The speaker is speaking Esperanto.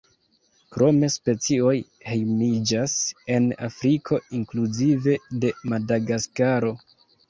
Krome specioj hejmiĝas en Afriko inkluzive de Madagaskaro.